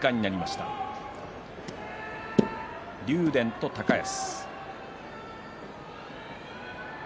竜電と高安。